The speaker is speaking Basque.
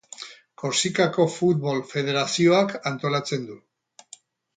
Korsikako Futbol Federazioak antolatzen du.